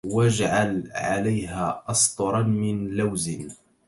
واجعل عليها أسطُراً من لوزِ